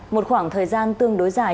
một khoảng thời gian tương đối dài